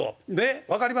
分かりますか？